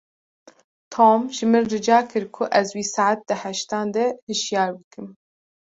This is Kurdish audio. Tom ji min rica kir ku ez wî saet di heştan de hişyar bikim.